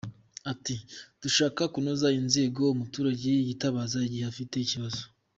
Ati “Dushaka kunoza inzego umuturage yitabaza igihe afite ikibazo.